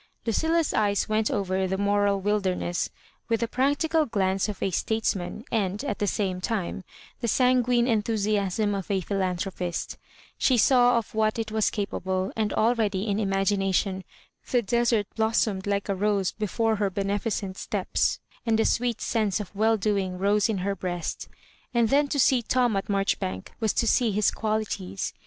Ludlla's eyes went over the moral wilderness with the practical glance of a statesman, and, at the same time, the sanguine enthusiasm of a philanthropist She saw of what it was capa ble, and already, in imagination, the desert blossomed like a rose before her beneficent steps, and the sweet sense of well doing rose in her breast. And then to see Tom at Mareh bank was to see his qualities.